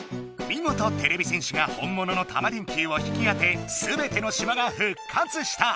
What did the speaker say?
みごとてれび戦士が本もののタマ電Ｑを引き当てすべての島がふっかつした！